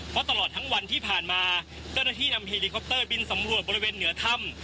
เพราะตลอดทั้งวันที่ผ่านมาเจ้าหน้าที่นำเฮลิคอปเตอร์บินสำรวจบริเวณเหนือถ้ำ